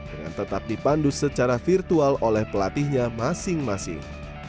dengan tetap dipandu secara virtual oleh pelatihnya masing masing